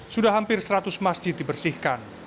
sudah hampir seratus masjid dibersihkan